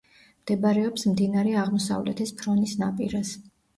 მდებარეობს მდინარე აღმოსავლეთის ფრონის ნაპირას.